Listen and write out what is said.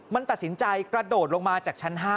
มันตัดสินใจกระโดดลงมาจากชั้น๕